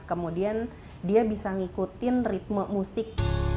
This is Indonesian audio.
kemudian dia bisa ngikutin ritme musik